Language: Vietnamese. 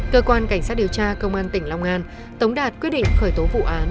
cơ quan cảnh sát điều tra công an tỉnh long an tống đạt quyết định khởi tố vụ án